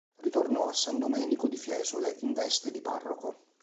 Ritornò a San Domenico di Fiesole, in veste di parroco.